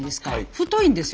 太いんですよ